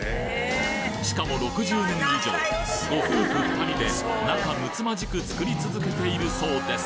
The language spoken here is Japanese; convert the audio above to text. しかも６０年以上ご夫婦２人で仲睦まじく作り続けているそうです